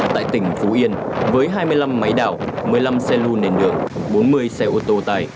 tại tỉnh phú yên với hai mươi năm máy đảo một mươi năm xe lưu nền đường bốn mươi xe ô tô tải